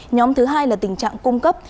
nhóm thứ hai là tình trạng cung cấp